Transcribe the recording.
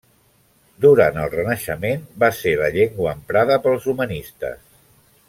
Durant el Renaixement va ser la llengua emprada pels humanistes.